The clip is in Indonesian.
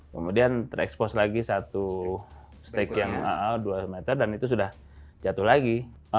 kemudian terekspos lagi satu steak yang dua meter dan itu sudah jatuh lagi